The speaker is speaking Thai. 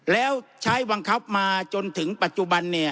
แล้วใช้บังคับมาจนถึงปัจจุบัน